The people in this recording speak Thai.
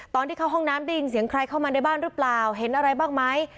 ตอนที่เข้าห้องน้ำได้ยินเสียงใครเข้ามาในบ้านหรือเปล่าเห็นอะไรบ้างไหม